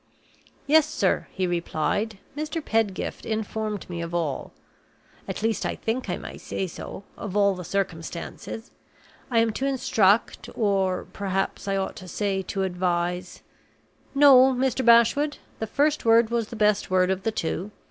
"Yes, sir," he replied; "Mr. Pedgift informed me of all at least I think I may say so of all the circumstances. I am to instruct, or perhaps, I ought to say to advise " "No, Mr. Bashwood; the first word was the best word of the two.